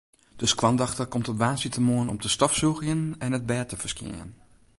De skoandochter komt op woansdeitemoarn om te stofsûgjen en it bêd te ferskjinjen.